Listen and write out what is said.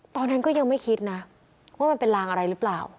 ตอนนั้นก็ยังไม่คิดนะว่ามันเป็นลางอะไรหรือเปล่า